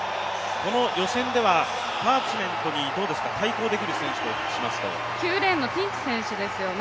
この予選ではパーチメントに対抗できる選手としますと９レーンのティンチ選手ですよね。